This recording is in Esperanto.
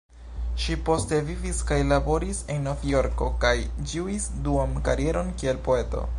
Ŝi poste vivis kaj laboris en Novjorko kaj ĝuis duan karieron kiel poeto.